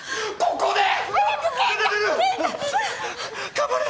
頑張れ！